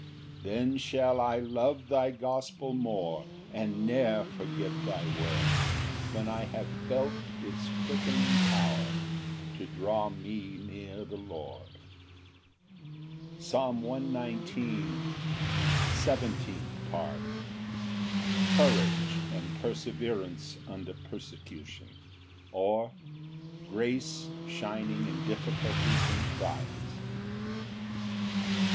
6 Then shall I love thy gospel more, And ne'er forget thy word, When I have felt its quickening power To draw me near the Lord. Psalm 119:17. Seventeenth Part. Courage and perseverance under persecution; or, Grace shining in difficulties and trials.